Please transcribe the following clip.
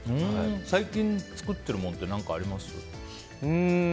最近作っているものってあります？